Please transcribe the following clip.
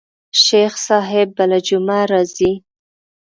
شيخ صاحب بله جمعه راځي.